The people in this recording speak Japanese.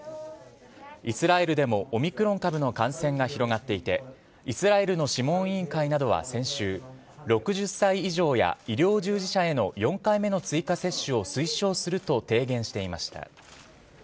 イスラエルでもオミクロン株の感染が広がっていて、イスラエルの諮問委員会などは先週、６０歳以上や医療従事者への４回目の追加接種を推奨すると提言していました。